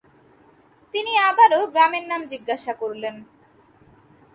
তিনি আবারো গ্রামের নাম জিজ্ঞেস করলেন।